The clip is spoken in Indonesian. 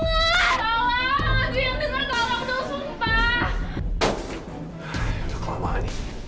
udah kelamaan nih